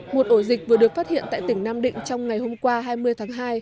một ổ dịch vừa được phát hiện tại tỉnh nam định trong ngày hôm qua hai mươi tháng hai